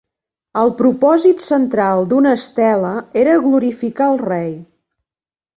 El propòsit central d'una estela era glorificar el rei.